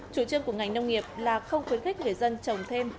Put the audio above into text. chủ trương của ngành nông nghiệp là không khuyến khích người dân trồng thêm